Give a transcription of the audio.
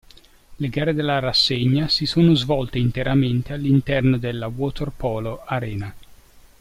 Le gare della rassegna si sono svolte interamente all'interno della Water Polo Arena.